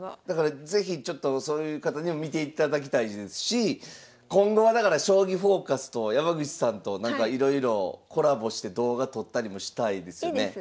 だから是非ちょっとそういう方にも見ていただきたいですし今後はだから「将棋フォーカス」と山口さんといろいろコラボして動画撮ったりもしたいですよね。